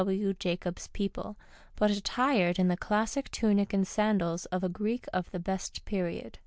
W. Jacobs's people, but attired in the classic tunic and sandals of a Greek of the best period.